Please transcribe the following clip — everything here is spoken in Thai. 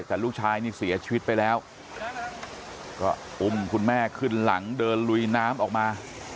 แต่ลูกชายนี่เสียชีวิตไปแล้วก็อุ้มคุณแม่ขึ้นหลังเดินลุยน้ำออกมา